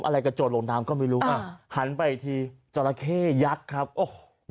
อะไรกระโจทย์ลงน้ำก็ไม่รู้อ่ะอ่าหันไปทีจราแค่ยักษ์ครับโอ้ย